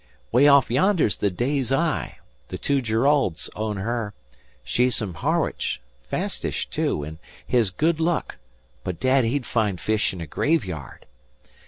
'Way off yonder's the Day's Eye. The two Jeraulds own her. She's from Harwich; fastish, too, an' hez good luck; but Dad he'd find fish in a graveyard.